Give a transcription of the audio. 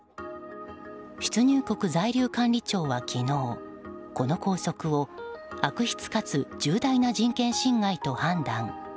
出入国在留管理庁は昨日この拘束を悪質かつ重大な人権侵害と判断。